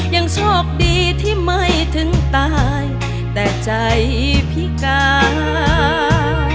ยังโชคดีที่ไม่ถึงตายแต่ใจพิการ